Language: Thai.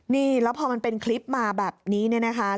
นี่แล้วพอมันเป็นคลิปมาแบบนี้เนี่ยนะคะ